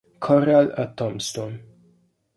Corral a Tombstone.